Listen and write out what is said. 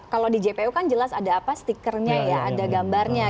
kalau di jpo kan jelas ada apa stickernya ada gambarnya